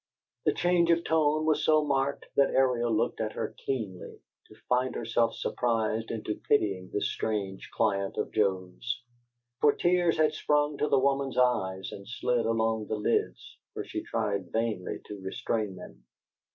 The change of tone was so marked that Ariel looked at her keenly, to find herself surprised into pitying this strange client of Joe's; for tears had sprung to the woman's eyes and slid along the lids, where she tried vainly to restrain them.